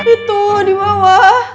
itu di bawah